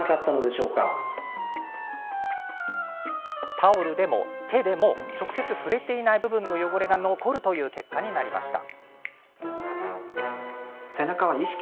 タオルでも手でも直接、触れていない部分の汚れが残るという結果になりました。